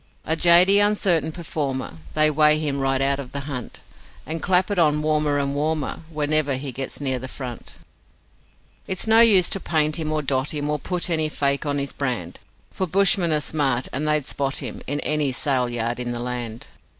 A jady, uncertain performer, They weight him right out of the hunt, And clap it on warmer and warmer Whenever he gets near the front. 'It's no use to paint him or dot him Or put any 'fake' on his brand, For bushmen are smart, and they'd spot him In any sale yard in the land.